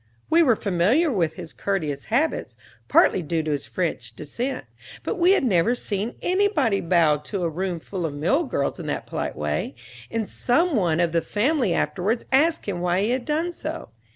We were familiar with his courteous habits, partly due to his French descent; but we had never seen anybody bow to a room full of mill girls in that polite way, and some one of the family afterwards asked him why he did so.